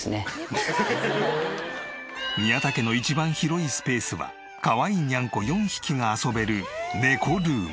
宮田家の一番広いスペースはかわいいニャンコ４匹が遊べる猫ルーム。